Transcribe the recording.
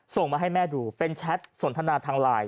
ส่งมาให้แม่ดูเป็นแชทสนทนาทางไลน์